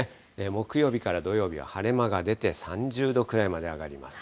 木曜日から土曜日は晴れ間が出て３０度くらいまで上がります。